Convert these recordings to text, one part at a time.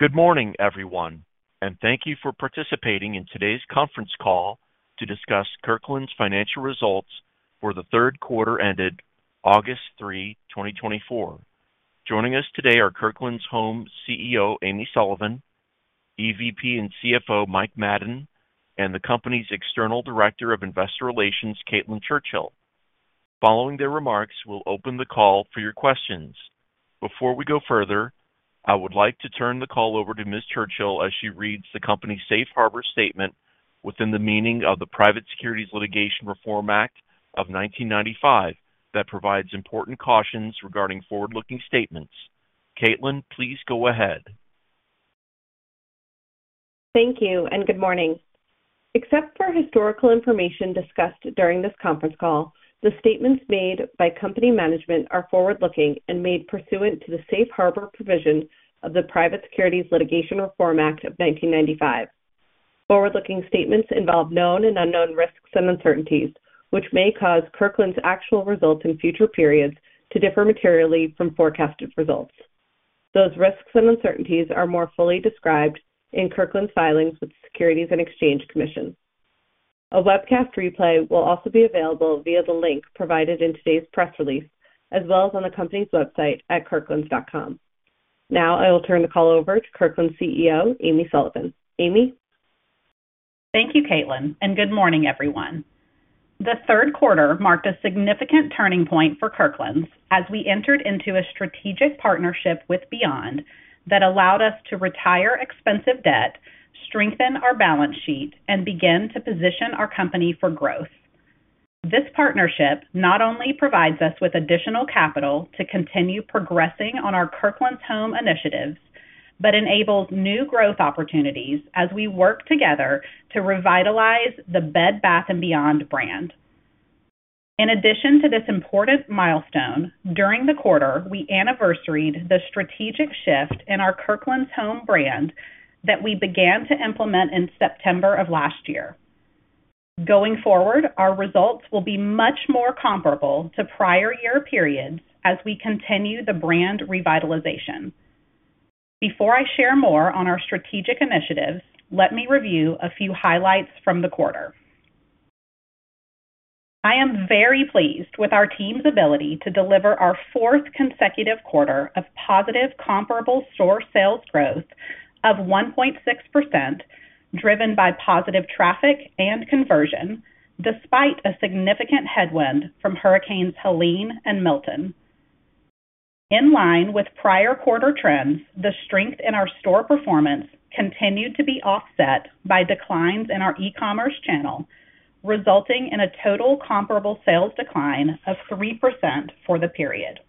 Good morning, everyone, and thank you for participating in today's conference call to discuss Kirkland's financial results for the third quarter ended August 3, 2024. Joining us today are Kirkland's Home CEO Amy Sullivan, EVP and CFO Mike Madden, and the company's External Director of Investor Relations Caitlin Churchill. Following their remarks, we'll open the call for your questions. Before we go further, I would like to turn the call over to Ms. Churchill as she reads the company's safe harbor statement within the meaning of the Private Securities Litigation Reform Act of 1995 that provides important cautions regarding forward-looking statements. Caitlin, please go ahead. Thank you, and good morning. Except for historical information discussed during this conference call, the statements made by company management are forward-looking and made pursuant to the safe harbor provision of the Private Securities Litigation Reform Act of 1995. Forward-looking statements involve known and unknown risks and uncertainties, which may cause Kirkland's actual results in future periods to differ materially from forecasted results. Those risks and uncertainties are more fully described in Kirkland's filings with the Securities and Exchange Commission. A webcast replay will also be available via the link provided in today's press release, as well as on the company's website at kirklands.com. Now, I will turn the call over to Kirkland's CEO Amy Sullivan. Amy? Thank you, Caitlin, and good morning, everyone. The third quarter marked a significant turning point for Kirkland's as we entered into a strategic partnership with Beyond that allowed us to retire expensive debt, strengthen our balance sheet, and begin to position our company for growth. This partnership not only provides us with additional capital to continue progressing on our Kirkland's Home initiatives, but enables new growth opportunities as we work together to revitalize the Bed Bath & Beyond brand. In addition to this important milestone, during the quarter, we anniversaried the strategic shift in our Kirkland's Home brand that we began to implement in September of last year. Going forward, our results will be much more comparable to prior year periods as we continue the brand revitalization. Before I share more on our strategic initiatives, let me review a few highlights from the quarter. I am very pleased with our team's ability to deliver our fourth consecutive quarter of positive comparable store sales growth of 1.6%, driven by positive traffic and conversion, despite a significant headwind from hurricanes Helene and Milton. In line with prior quarter trends, the strength in our store performance continued to be offset by declines in our e-commerce channel, resulting in a total comparable sales decline of 3% for the period.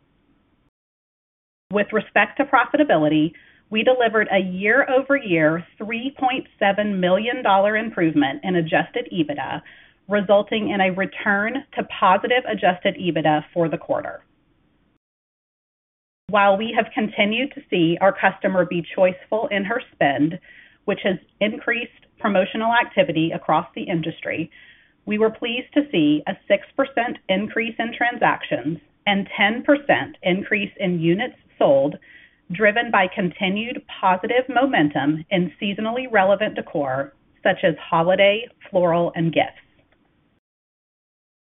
With respect to profitability, we delivered a year-over-year $3.7 million improvement in Adjusted EBITDA, resulting in a return to positive Adjusted EBITDA for the quarter. While we have continued to see our customer be choiceful in her spend, which has increased promotional activity across the industry, we were pleased to see a 6% increase in transactions and a 10% increase in units sold, driven by continued positive momentum in seasonally relevant decor, such as holiday, floral, and gifts.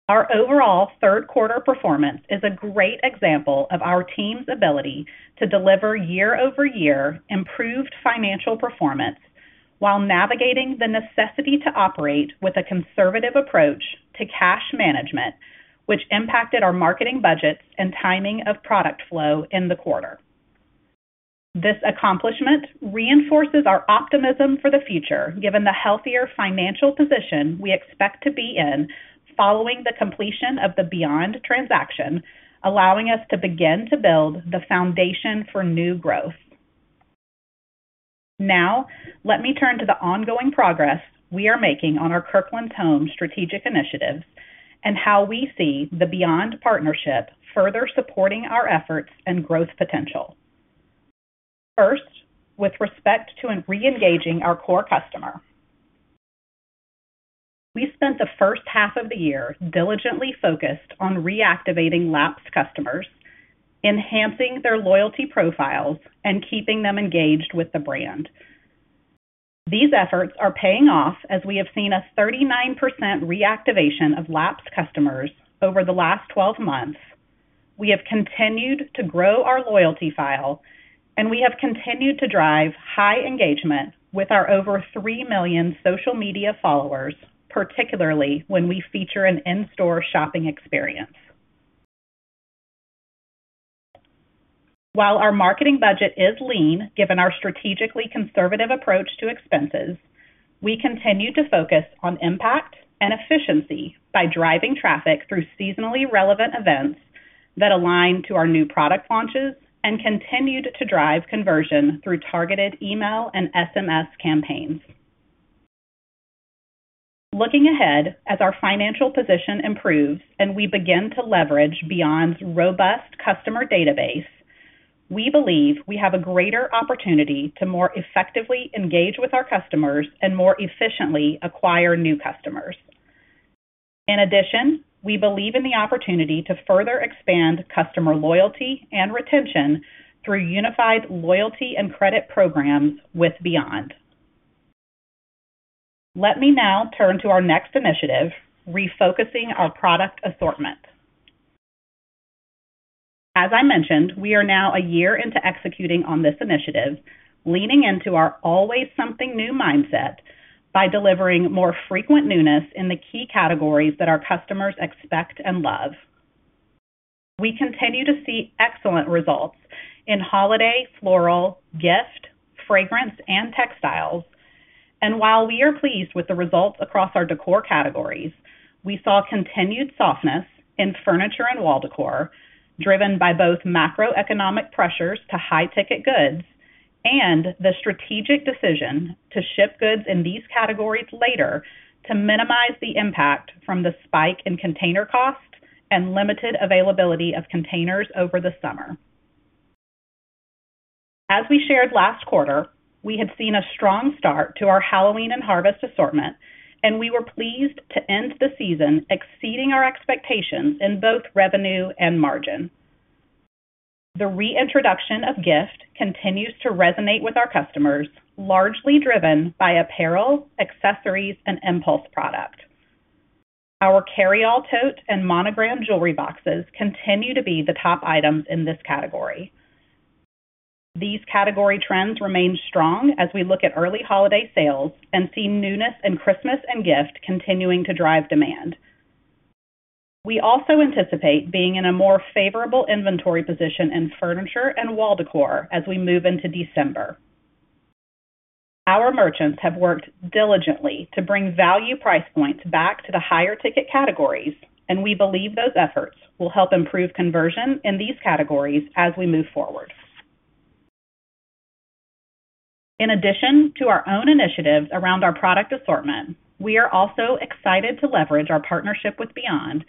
Our overall third quarter performance is a great example of our team's ability to deliver year-over-year improved financial performance while navigating the necessity to operate with a conservative approach to cash management, which impacted our marketing budgets and timing of product flow in the quarter. This accomplishment reinforces our optimism for the future, given the healthier financial position we expect to be in following the completion of the Beyond transaction, allowing us to begin to build the foundation for new growth. Now, let me turn to the ongoing progress we are making on our Kirkland's Home strategic initiatives and how we see the Beyond partnership further supporting our efforts and growth potential. First, with respect to re-engaging our core customer, we spent the first half of the year diligently focused on reactivating lapsed customers, enhancing their loyalty profiles, and keeping them engaged with the brand. These efforts are paying off as we have seen a 39% reactivation of lapsed customers over the last 12 months. We have continued to grow our loyalty file, and we have continued to drive high engagement with our over three million social media followers, particularly when we feature an in-store shopping experience. While our marketing budget is lean, given our strategically conservative approach to expenses, we continue to focus on impact and efficiency by driving traffic through seasonally relevant events that align to our new product launches and continued to drive conversion through targeted email and SMS campaigns. Looking ahead as our financial position improves and we begin to leverage Beyond's robust customer database, we believe we have a greater opportunity to more effectively engage with our customers and more efficiently acquire new customers. In addition, we believe in the opportunity to further expand customer loyalty and retention through unified loyalty and credit programs with Beyond. Let me now turn to our next initiative, refocusing our product assortment. As I mentioned, we are now a year into executing on this initiative, leaning into our always-something-new mindset by delivering more frequent newness in the key categories that our customers expect and love. We continue to see excellent results in holiday, floral, gift, fragrance, and textiles, and while we are pleased with the results across our decor categories, we saw continued softness in furniture and wall decor, driven by both macroeconomic pressures to high-ticket goods and the strategic decision to ship goods in these categories later to minimize the impact from the spike in container costs and limited availability of containers over the summer. As we shared last quarter, we had seen a strong start to our Halloween and Harvest assortment, and we were pleased to end the season exceeding our expectations in both revenue and margin. The reintroduction of gift continues to resonate with our customers, largely driven by apparel, accessories, and impulse product. Our carry-all tote and monogram jewelry boxes continue to be the top items in this category. These category trends remain strong as we look at early holiday sales and see newness in Christmas and gift continuing to drive demand. We also anticipate being in a more favorable inventory position in furniture and wall decor as we move into December. Our merchants have worked diligently to bring value price points back to the higher-ticket categories, and we believe those efforts will help improve conversion in these categories as we move forward. In addition to our own initiatives around our product assortment, we are also excited to leverage our partnership with Beyond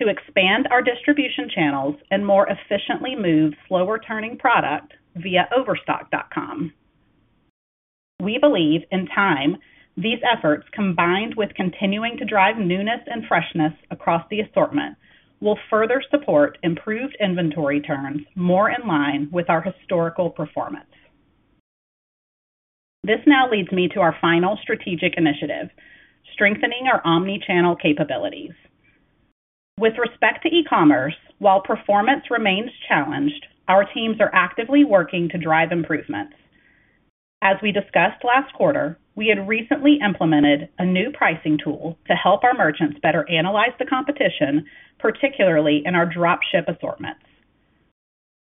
to expand our distribution channels and more efficiently move slower-turning product via Overstock.com. We believe in time these efforts, combined with continuing to drive newness and freshness across the assortment, will further support improved inventory turns more in line with our historical performance. This now leads me to our final strategic initiative, strengthening our omnichannel capabilities. With respect to e-commerce, while performance remains challenged, our teams are actively working to drive improvements. As we discussed last quarter, we had recently implemented a new pricing tool to help our merchants better analyze the competition, particularly in our drop-ship assortments.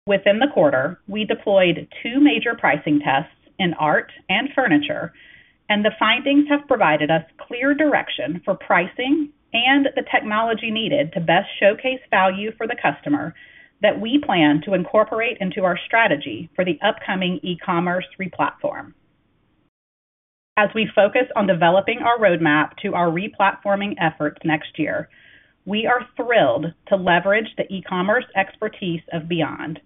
Within the quarter, we deployed two major pricing tests in art and furniture, and the findings have provided us clear direction for pricing and the technology needed to best showcase value for the customer that we plan to incorporate into our strategy for the upcoming e-commerce replatform. As we focus on developing our roadmap to our replatforming efforts next year, we are thrilled to leverage the e-commerce expertise of Beyond.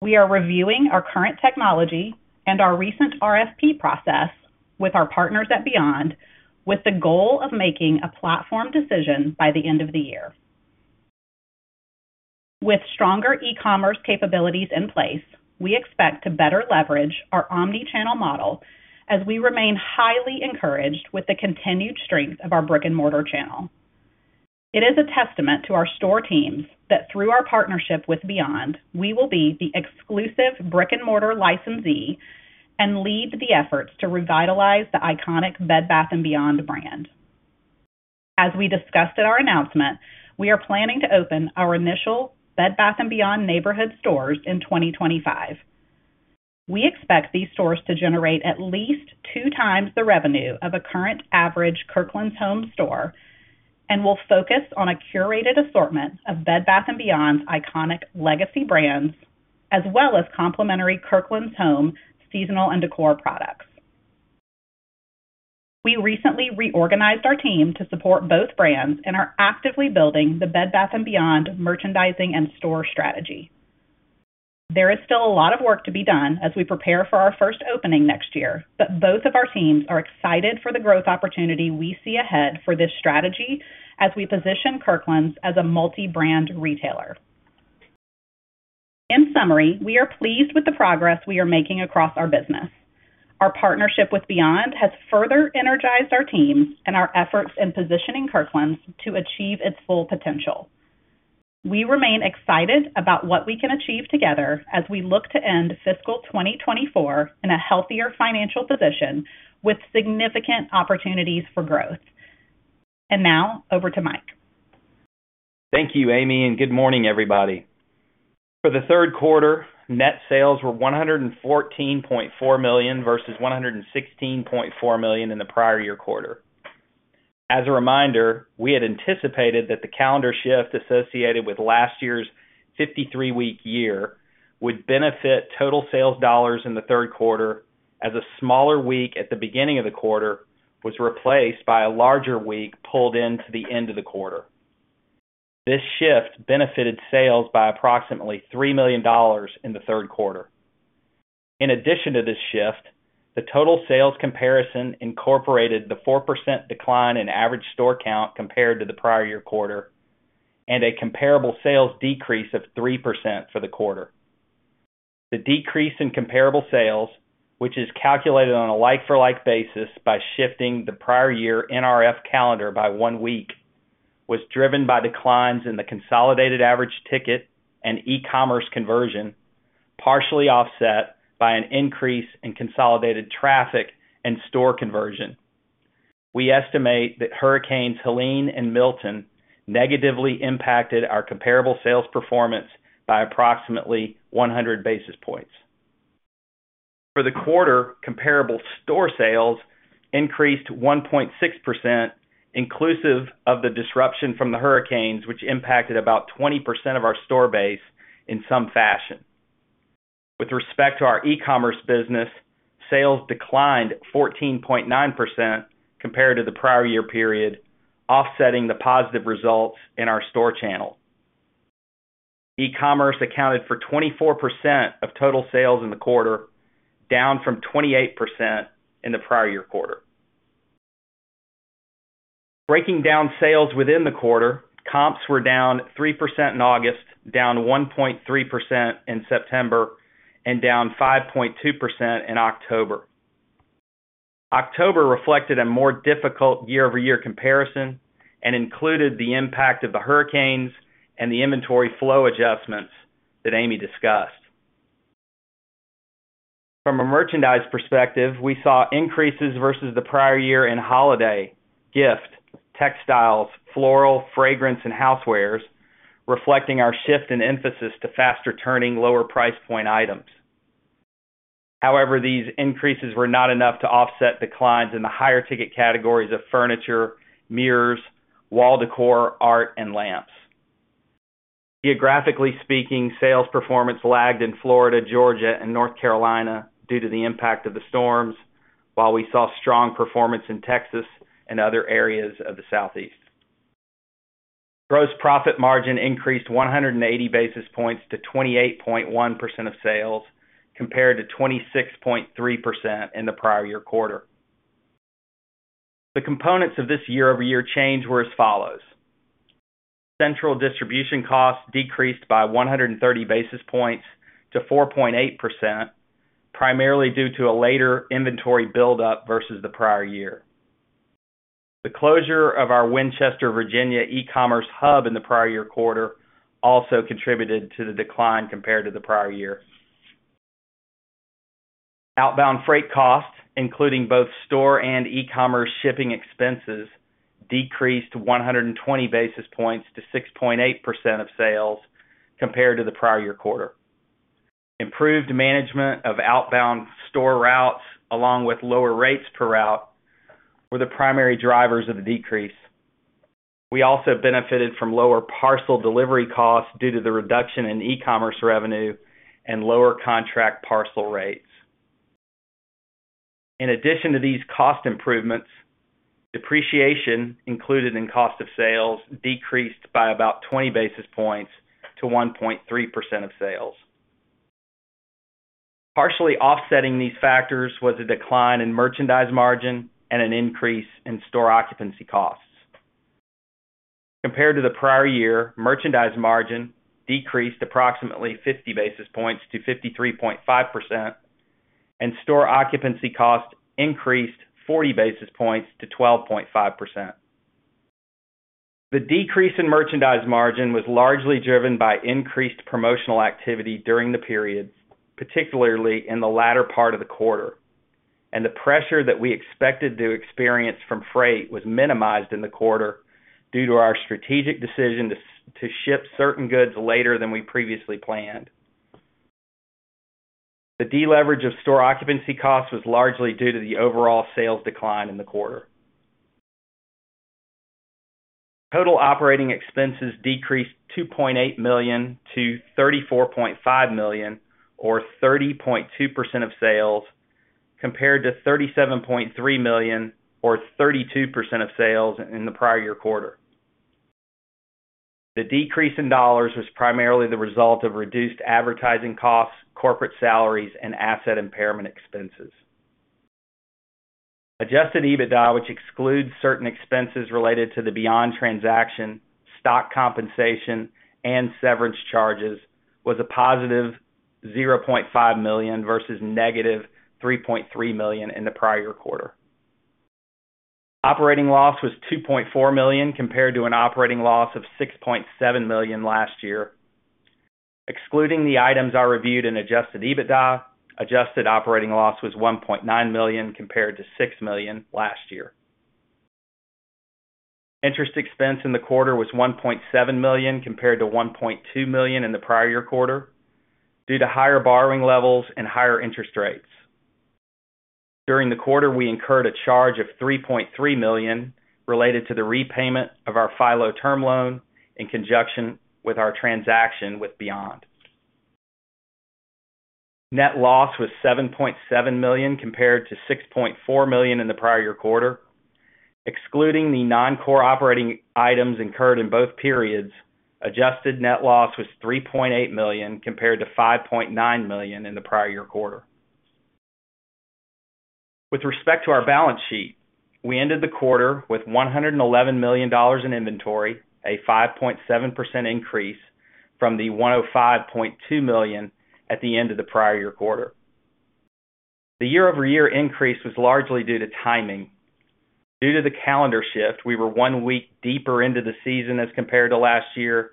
We are reviewing our current technology and our recent RFP process with our partners at Beyond, with the goal of making a platform decision by the end of the year. With stronger e-commerce capabilities in place, we expect to better leverage our omnichannel model as we remain highly encouraged with the continued strength of our brick-and-mortar channel. It is a testament to our store teams that through our partnership with Beyond, we will be the exclusive brick-and-mortar licensee and lead the efforts to revitalize the iconic Bed Bath & Beyond brand. As we discussed at our announcement, we are planning to open our initial Bed Bath & Beyond neighborhood stores in 2025. We expect these stores to generate at least 2x the revenue of a current average Kirkland's Home store and will focus on a curated assortment of Bed Bath & Beyond's iconic legacy brands, as well as complementary Kirkland's Home seasonal and decor products. We recently reorganized our team to support both brands and are actively building the Bed Bath & Beyond merchandising and store strategy. There is still a lot of work to be done as we prepare for our first opening next year, but both of our teams are excited for the growth opportunity we see ahead for this strategy as we position Kirkland's as a multi-brand retailer. In summary, we are pleased with the progress we are making across our business. Our partnership with Beyond has further energized our teams and our efforts in positioning Kirkland's to achieve its full potential. We remain excited about what we can achieve together as we look to end fiscal 2024 in a healthier financial position with significant opportunities for growth. And now, over to Mike. Thank you, Amy, and good morning, everybody. For the third quarter, net sales were $114.4 million versus $116.4 million in the prior year quarter. As a reminder, we had anticipated that the calendar shift associated with last year's 53-week year would benefit total sales dollars in the third quarter as a smaller week at the beginning of the quarter was replaced by a larger week pulled into the end of the quarter. This shift benefited sales by approximately $3 million in the third quarter. In addition to this shift, the total sales comparison incorporated the 4% decline in average store count compared to the prior year quarter and a comparable sales decrease of 3% for the quarter. The decrease in comparable sales, which is calculated on a like-for-like basis by shifting the prior year NRF calendar by one week, was driven by declines in the consolidated average ticket and e-commerce conversion, partially offset by an increase in consolidated traffic and store conversion. We estimate that hurricanes Helene and Milton negatively impacted our comparable sales performance by approximately 100 basis points. For the quarter, comparable store sales increased 1.6%, inclusive of the disruption from the hurricanes, which impacted about 20% of our store base in some fashion. With respect to our e-commerce business, sales declined 14.9% compared to the prior year period, offsetting the positive results in our store channel. E-commerce accounted for 24% of total sales in the quarter, down from 28% in the prior year quarter. Breaking down sales within the quarter, comps were down 3% in August, down 1.3% in September, and down 5.2% in October. October reflected a more difficult year-over-year comparison and included the impact of the hurricanes and the inventory flow adjustments that Amy discussed. From a merchandise perspective, we saw increases versus the prior year in holiday, gift, textiles, floral, fragrance, and housewares, reflecting our shift in emphasis to faster-turning, lower-price point items. However, these increases were not enough to offset declines in the higher-ticket categories of furniture, mirrors, wall decor, art, and lamps. Geographically speaking, sales performance lagged in Florida, Georgia, and North Carolina due to the impact of the storms, while we saw strong performance in Texas and other areas of the Southeast. Gross profit margin increased 180 basis points to 28.1% of sales, compared to 26.3% in the prior year quarter. The components of this year-over-year change were as follows: central distribution costs decreased by 130 basis points to 4.8%, primarily due to a later inventory build-up versus the prior year. The closure of our Winchester, Virginia e-commerce hub in the prior year quarter also contributed to the decline compared to the prior year. Outbound freight costs, including both store and e-commerce shipping expenses, decreased 120 basis points to 6.8% of sales compared to the prior year quarter. Improved management of outbound store routes, along with lower rates per route, were the primary drivers of the decrease. We also benefited from lower parcel delivery costs due to the reduction in e-commerce revenue and lower contract parcel rates. In addition to these cost improvements, depreciation included in cost of sales decreased by about 20 basis points to 1.3% of sales. Partially offsetting these factors was a decline in merchandise margin and an increase in store occupancy costs. Compared to the prior year, merchandise margin decreased approximately 50 basis points to 53.5%, and store occupancy costs increased 40 basis points to 12.5%. The decrease in merchandise margin was largely driven by increased promotional activity during the period, particularly in the latter part of the quarter, and the pressure that we expected to experience from freight was minimized in the quarter due to our strategic decision to ship certain goods later than we previously planned. The deleverage of store occupancy costs was largely due to the overall sales decline in the quarter. Total operating expenses decreased $2.8 million to $34.5 million, or 30.2% of sales, compared to $37.3 million, or 32% of sales in the prior year quarter. The decrease in dollars was primarily the result of reduced advertising costs, corporate salaries, and asset impairment expenses. Adjusted EBITDA, which excludes certain expenses related to the Beyond transaction, stock compensation, and severance charges, was a +$0.5 million versus -$3.3 million in the prior year quarter. Operating loss was $2.4 million compared to an operating loss of $6.7 million last year. Excluding the items I reviewed in adjusted EBITDA, adjusted operating loss was $1.9 million compared to $6 million last year. Interest expense in the quarter was $1.7 million compared to $1.2 million in the prior year quarter due to higher borrowing levels and higher interest rates. During the quarter, we incurred a charge of $3.3 million related to the repayment of our FILO term loan in conjunction with our transaction with Beyond. Net loss was $7.7 million compared to $6.4 million in the prior year quarter. Excluding the non-core operating items incurred in both periods, adjusted net loss was $3.8 million compared to $5.9 million in the prior year quarter. With respect to our balance sheet, we ended the quarter with $111 million in inventory, a 5.7% increase from the $105.2 million at the end of the prior year quarter. The year-over-year increase was largely due to timing. Due to the calendar shift, we were one week deeper into the season as compared to last year,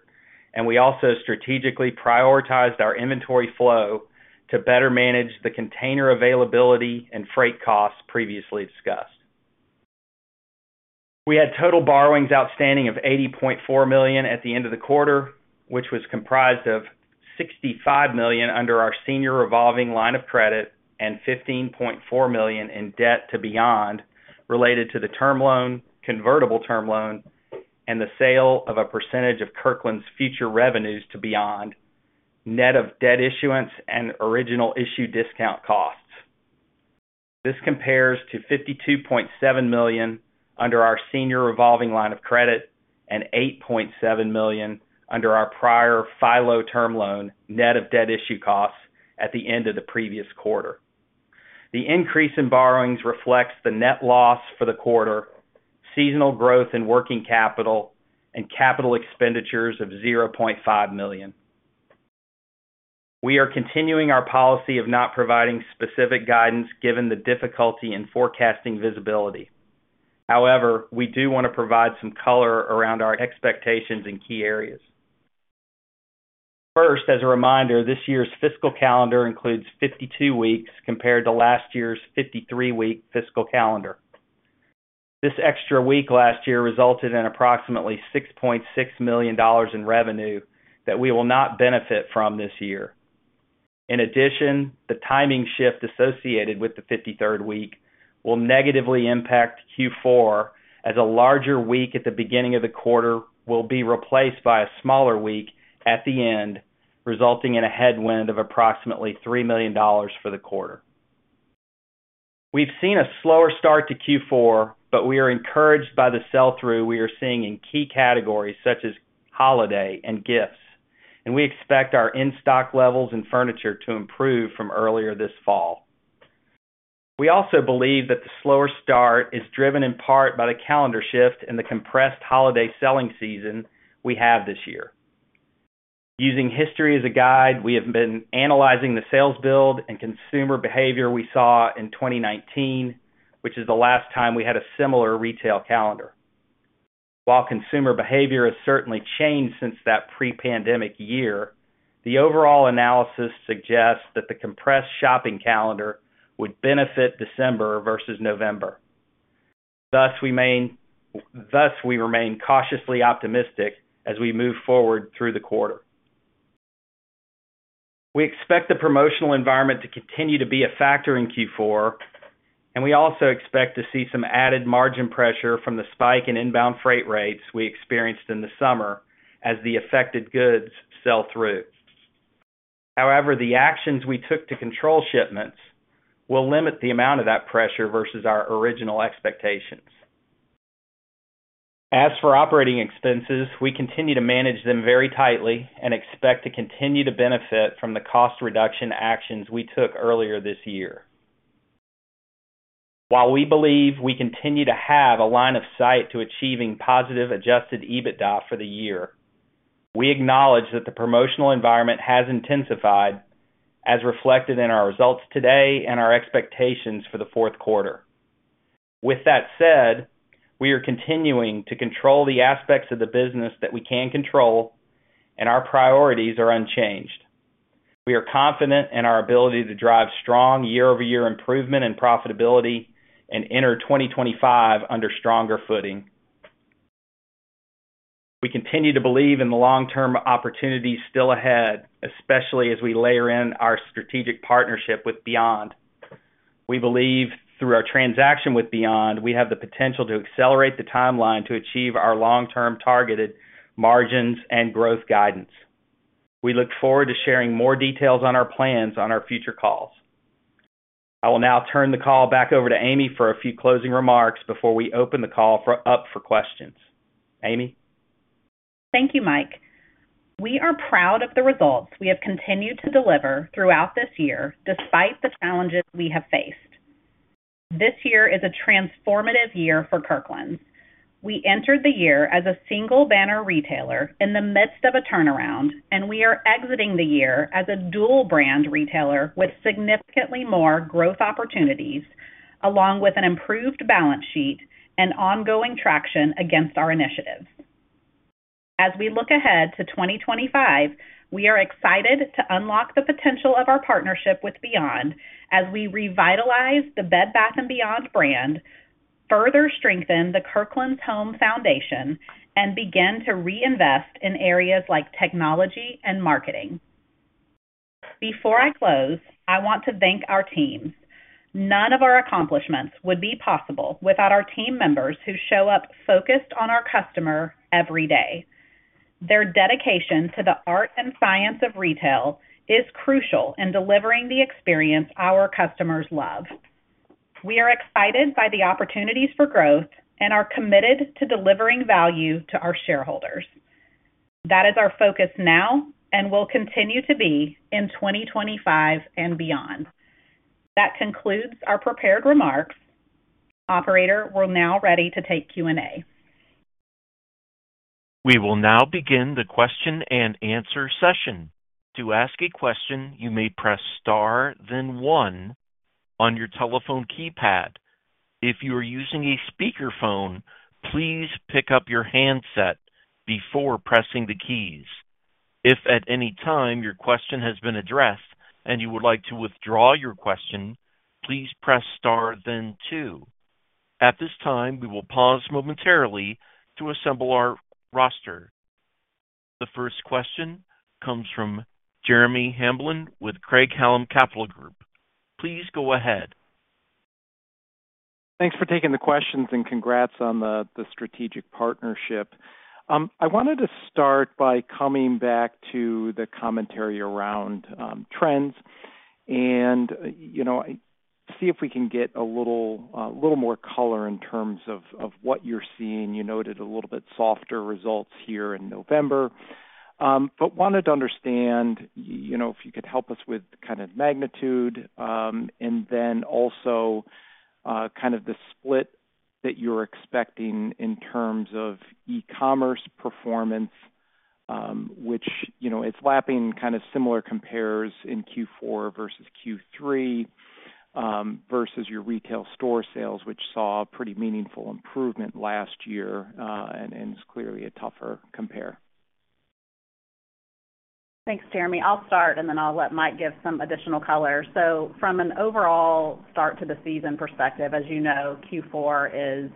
and we also strategically prioritized our inventory flow to better manage the container availability and freight costs previously discussed. We had total borrowings outstanding of $80.4 million at the end of the quarter, which was comprised of $65 million under our senior revolving line of credit and $15.4 million in debt to Beyond related to the term loan, convertible term loan, and the sale of a percentage of Kirkland's future revenues to Beyond, net of debt issuance and original issue discount costs. This compares to $52.7 million under our senior revolving line of credit and $8.7 million under our prior FILO term loan, net of debt issue costs at the end of the previous quarter. The increase in borrowings reflects the net loss for the quarter, seasonal growth in working capital, and capital expenditures of $0.5 million. We are continuing our policy of not providing specific guidance given the difficulty in forecasting visibility. However, we do want to provide some color around our expectations in key areas. First, as a reminder, this year's fiscal calendar includes 52 weeks compared to last year's 53-week fiscal calendar. This extra week last year resulted in approximately $6.6 million in revenue that we will not benefit from this year. In addition, the timing shift associated with the 53rd week will negatively impact Q4 as a larger week at the beginning of the quarter will be replaced by a smaller week at the end, resulting in a headwind of approximately $3 million for the quarter. We've seen a slower start to Q4, but we are encouraged by the sell-through we are seeing in key categories such as holiday and gifts, and we expect our in-stock levels and furniture to improve from earlier this fall. We also believe that the slower start is driven in part by the calendar shift and the compressed holiday selling season we have this year. Using history as a guide, we have been analyzing the sales build and consumer behavior we saw in 2019, which is the last time we had a similar retail calendar. While consumer behavior has certainly changed since that pre-pandemic year, the overall analysis suggests that the compressed shopping calendar would benefit December versus November. Thus, we remain cautiously optimistic as we move forward through the quarter. We expect the promotional environment to continue to be a factor in Q4, and we also expect to see some added margin pressure from the spike in inbound freight rates we experienced in the summer as the affected goods sell-through. However, the actions we took to control shipments will limit the amount of that pressure versus our original expectations. As for operating expenses, we continue to manage them very tightly and expect to continue to benefit from the cost reduction actions we took earlier this year. While we believe we continue to have a line of sight to achieving positive Adjusted EBITDA for the year, we acknowledge that the promotional environment has intensified, as reflected in our results today and our expectations for the fourth quarter. With that said, we are continuing to control the aspects of the business that we can control, and our priorities are unchanged. We are confident in our ability to drive strong year-over-year improvement and profitability and enter 2025 under stronger footing. We continue to believe in the long-term opportunities still ahead, especially as we layer in our strategic partnership with Beyond. We believe through our transaction with Beyond, we have the potential to accelerate the timeline to achieve our long-term targeted margins and growth guidance. We look forward to sharing more details on our plans on our future calls. I will now turn the call back over to Amy for a few closing remarks before we open the call up for questions. Amy? Thank you, Mike. We are proud of the results we have continued to deliver throughout this year, despite the challenges we have faced. This year is a transformative year for Kirkland's. We entered the year as a single-banner retailer in the midst of a turnaround, and we are exiting the year as a dual-brand retailer with significantly more growth opportunities, along with an improved balance sheet and ongoing traction against our initiatives. As we look ahead to 2025, we are excited to unlock the potential of our partnership with Beyond as we revitalize the Bed Bath & Beyond brand, further strengthen the Kirkland's Home foundation, and begin to reinvest in areas like technology and marketing. Before I close, I want to thank our teams. None of our accomplishments would be possible without our team members who show up focused on our customer every day. Their dedication to the art and science of retail is crucial in delivering the experience our customers love. We are excited by the opportunities for growth and are committed to delivering value to our shareholders. That is our focus now and will continue to be in 2025 and beyond. That concludes our prepared remarks. Operator, we're now ready to take Q&A. We will now begin the question and answer session. To ask a question, you may press star, then one on your telephone keypad. If you are using a speakerphone, please pick up your handset before pressing the keys. If at any time your question has been addressed and you would like to withdraw your question, please press star, then two. At this time, we will pause momentarily to assemble our roster. The first question comes from Jeremy Hamblin with Craig-Hallum Capital Group. Please go ahead. Thanks for taking the questions and congrats on the strategic partnership. I wanted to start by coming back to the commentary around trends and see if we can get a little more color in terms of what you're seeing. You noted a little bit softer results here in November, but wanted to understand if you could help us with kind of magnitude and then also kind of the split that you're expecting in terms of e-commerce performance, which it's lapping kind of similar compares in Q4 versus Q3 versus your retail store sales, which saw a pretty meaningful improvement last year and is clearly a tougher compare. Thanks, Jeremy. I'll start, and then I'll let Mike give some additional color. So from an overall start to the season perspective, as you know, Q4 is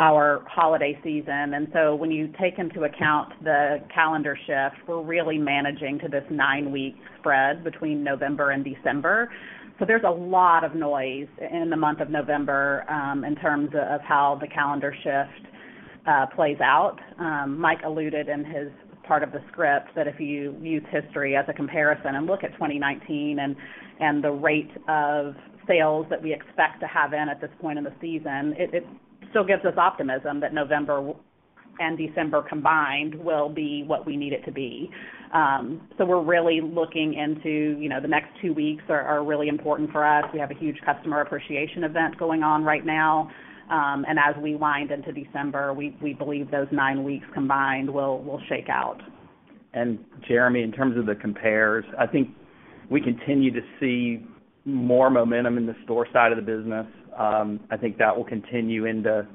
our holiday season. And so when you take into account the calendar shift, we're really managing to this nine-week spread between November and December. So there's a lot of noise in the month of November in terms of how the calendar shift plays out. Mike alluded in his part of the script that if you use history as a comparison and look at 2019 and the rate of sales that we expect to have in at this point in the season, it still gives us optimism that November and December combined will be what we need it to be, so we're really looking into the next two weeks are really important for us. We have a huge customer appreciation event going on right now, and as we wind into December, we believe those nine weeks combined will shake out. And Jeremy, in terms of the compares, I think we continue to see more momentum in the store side of the business. I think that will continue into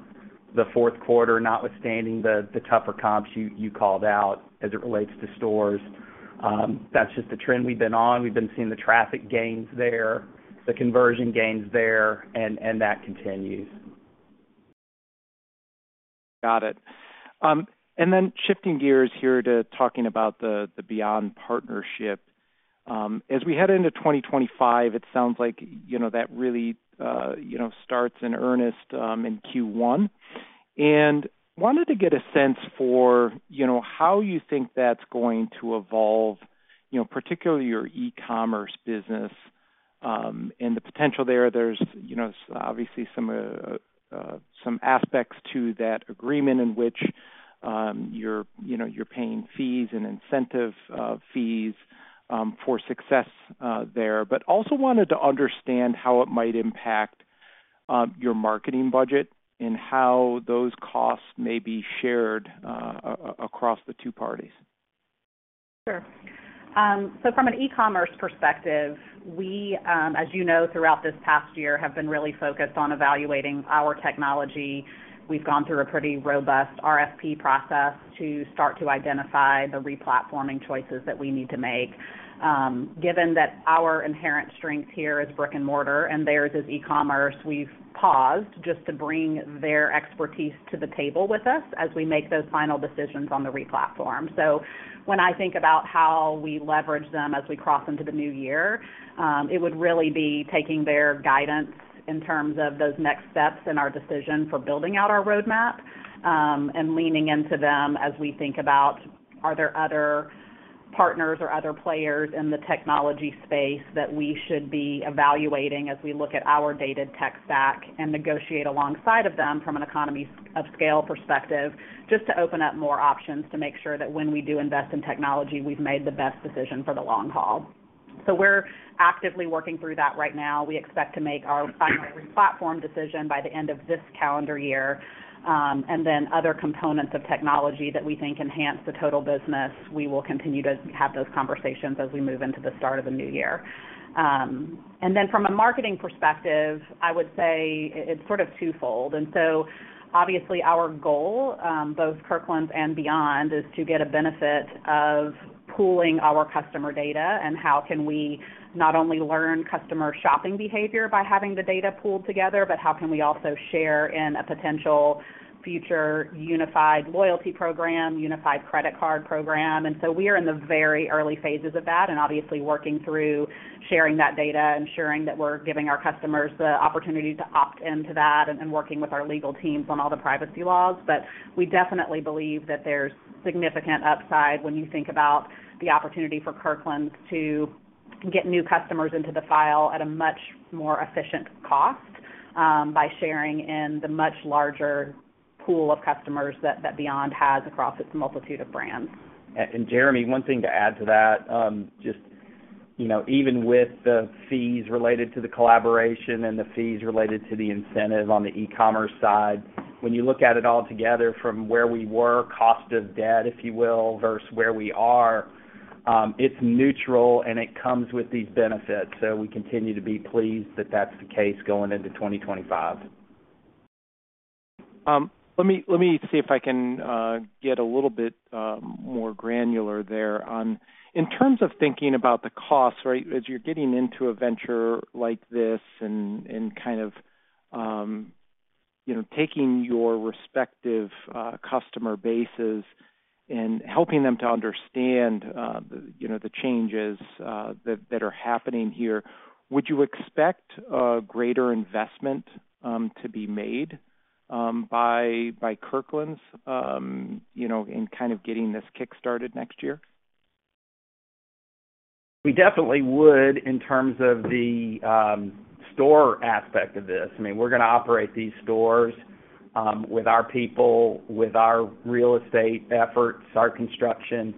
the fourth quarter, notwithstanding the tougher comps you called out as it relates to stores. That's just the trend we've been on. We've been seeing the traffic gains there, the conversion gains there, and that continues. Got it. And then shifting gears here to talking about the Beyond partnership. As we head into 2025, it sounds like that really starts in earnest in Q1. And wanted to get a sense for how you think that's going to evolve, particularly your e-commerce business and the potential there. There's obviously some aspects to that agreement in which you're paying fees and incentive fees for success there. But also wanted to understand how it might impact your marketing budget and how those costs may be shared across the two parties. Sure. So from an e-commerce perspective, we, as you know, throughout this past year, have been really focused on evaluating our technology. We've gone through a pretty robust RFP process to start to identify the replatforming choices that we need to make. Given that our inherent strength here is brick-and-mortar and theirs is e-commerce, we've paused just to bring their expertise to the table with us as we make those final decisions on the replatform. So when I think about how we leverage them as we cross into the new year, it would really be taking their guidance in terms of those next steps in our decision for building out our roadmap and leaning into them as we think about, are there other partners or other players in the technology space that we should be evaluating as we look at our dated tech stack and negotiate alongside of them from an economy of scale perspective just to open up more options to make sure that when we do invest in technology, we've made the best decision for the long haul. So we're actively working through that right now. We expect to make our final replatform decision by the end of this calendar year. And then other components of technology that we think enhance the total business, we will continue to have those conversations as we move into the start of the new year. And then from a marketing perspective, I would say it's sort of twofold. And so obviously, our goal, both Kirkland's and Beyond's, is to get a benefit of pooling our customer data and how can we not only learn customer shopping behavior by having the data pooled together, but how can we also share in a potential future unified loyalty program, unified credit card program. And so we are in the very early phases of that and obviously working through sharing that data, ensuring that we're giving our customers the opportunity to opt into that and working with our legal teams on all the privacy laws. But we definitely believe that there's significant upside when you think about the opportunity for Kirkland's to get new customers into the file at a much more efficient cost by sharing in the much larger pool of customers that Beyond has across its multitude of brands. And Jeremy, one thing to add to that, just even with the fees related to the collaboration and the fees related to the incentive on the e-commerce side, when you look at it all together from where we were, cost of debt, if you will, versus where we are, it's neutral and it comes with these benefits. So we continue to be pleased that that's the case going into 2025. Let me see if I can get a little bit more granular there on in terms of thinking about the cost, right, as you're getting into a venture like this and kind of taking your respective customer bases and helping them to understand the changes that are happening here. Would you expect a greater investment to be made by Kirkland's in kind of getting this kickstarted next year? We definitely would in terms of the store aspect of this. I mean, we're going to operate these stores with our people, with our real estate efforts, our construction.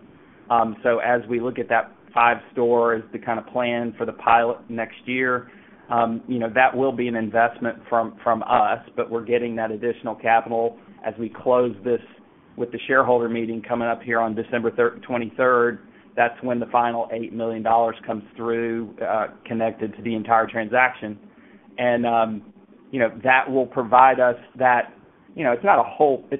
So as we look at those five stores to kind of plan for the pilot next year, that will be an investment from us, but we're getting that additional capital as we close this with the shareholder meeting coming up here on December 23rd. That's when the final $8 million comes through connected to the entire transaction. And that will provide us that it's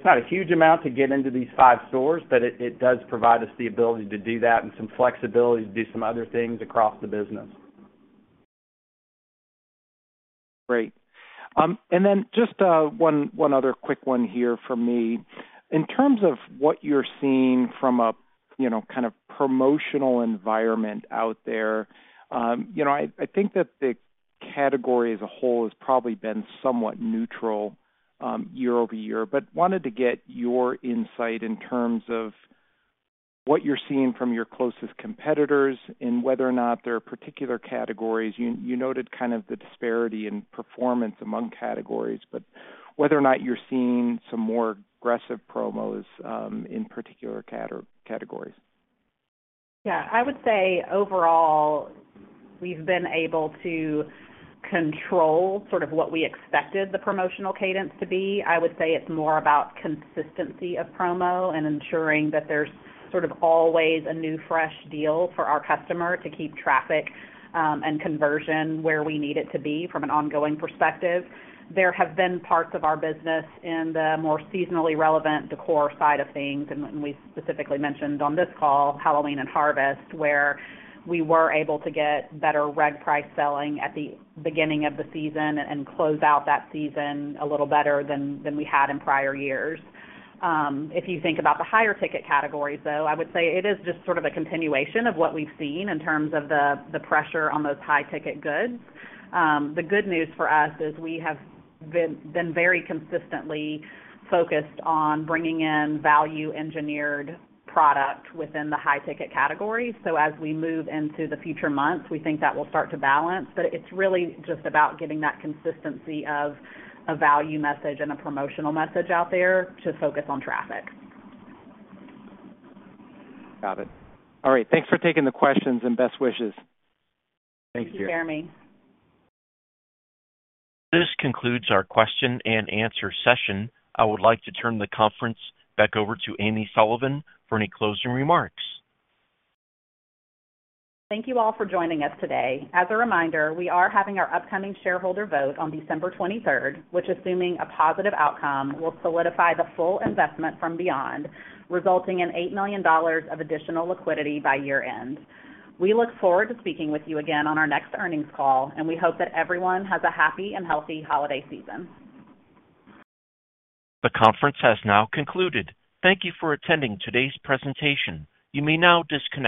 not a huge amount to get into these five stores, but it does provide us the ability to do that and some flexibility to do some other things across the business. Great. And then just one other quick one here for me. In terms of what you're seeing from a kind of promotional environment out there, I think that the category as a whole has probably been somewhat neutral year-over-year, but wanted to get your insight in terms of what you're seeing from your closest competitors and whether or not there are particular categories? You noted kind of the disparity in performance among categories, but whether or not you're seeing some more aggressive promos in particular categories? Yeah. I would say overall, we've been able to control sort of what we expected the promotional cadence to be. I would say it's more about consistency of promo and ensuring that there's sort of always a new fresh deal for our customer to keep traffic and conversion where we need it to be from an ongoing perspective. There have been parts of our business in the more seasonally relevant decor side of things, and we specifically mentioned on this call Halloween and Harvest, where we were able to get better reg price selling at the beginning of the season and close out that season a little better than we had in prior years. If you think about the higher ticket categories, though, I would say it is just sort of a continuation of what we've seen in terms of the pressure on those high ticket goods. The good news for us is we have been very consistently focused on bringing in value-engineered product within the high ticket categories. So as we move into the future months, we think that will start to balance, but it's really just about getting that consistency of a value message and a promotional message out there to focus on traffic. Got it. All right. Thanks for taking the questions and best wishes. Thank you, Jeremy. Thank you, Jeremy. This concludes our question and answer session. I would like to turn the conference back over to Amy Sullivan for any closing remarks. Thank you all for joining us today. As a reminder, we are having our upcoming shareholder vote on December 23rd, which, assuming a positive outcome, will solidify the full investment from Beyond, resulting in $8 million of additional liquidity by year-end. We look forward to speaking with you again on our next earnings call, and we hope that everyone has a happy and healthy holiday season. The conference has now concluded. Thank you for attending today's presentation. You may now disconnect.